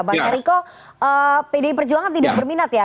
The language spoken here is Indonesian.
bang eriko pdi perjuangan tidak berminat ya